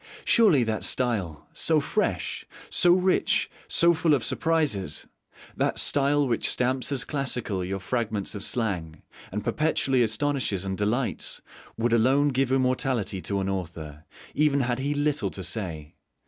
Surely that style, so fresh, so rich, so full of surprises that style which stamps as classical your fragments of slang, and perpetually astonishes and delights would alone give immortality to an author, even had he little to say.